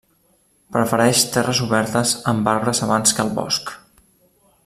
Prefereix terres obertes amb arbres abans que el bosc.